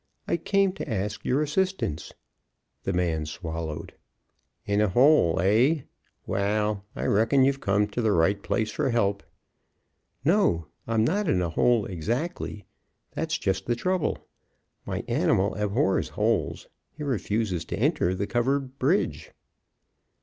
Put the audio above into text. I came to ask your assistance." The man swallowed. "In a hole, eh? Wall, I reckon you've come ter th' right place fer help." "No, I'm not in a hole exactly that's just the trouble. My animal abhors holes; he refuses to enter the covered bridge."